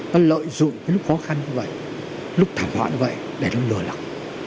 nó lợi dụng cái lúc khó khăn như vậy lúc thảm họa như vậy để nó lừa lọc